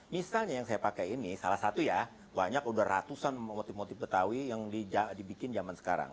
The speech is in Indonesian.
misalnya yang saya pakai ini salah satu ya banyak udah ratusan motif motif betawi yang dibikin zaman sekarang